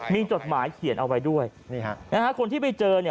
มีจดหมายเขียนเอาไว้ด้วยนี่ฮะนะฮะคนที่ไปเจอเนี่ย